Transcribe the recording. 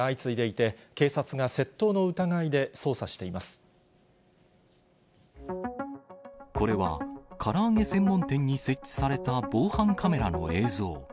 系列店でも同様の被害が相次いでいて、警察が窃盗の疑いで捜査しこれは、から揚げ専門店に設置された防犯カメラの映像。